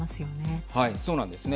そうなんですね。